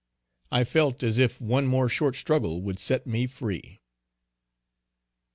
I felt as if one more short struggle would set me free.